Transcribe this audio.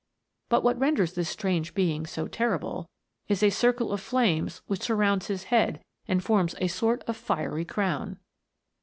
But what renders this strange being so ter rible, is a circle of flames which surrounds his head and forms a sort of fiery crown.